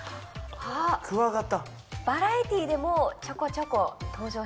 クワガタ？